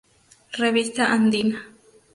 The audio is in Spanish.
Revista Andina.